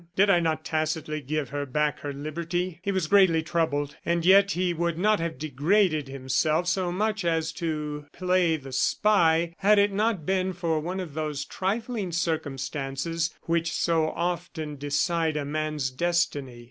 Did I not tacitly give her back her liberty?" He was greatly troubled, and yet he would not have degraded himself so much as to play the spy, had it not been for one of those trifling circumstances which so often decide a man's destiny.